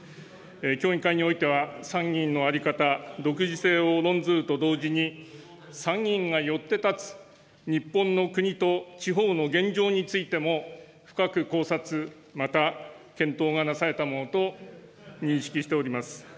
協議会においては、参議院の在り方、独自性を論ずると同時に参議院がよって立つ日本の国と地方の現状についても、深く考察、また検討がなされたものと認識しております。